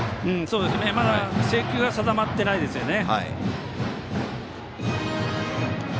まだ制球が定まってないですね。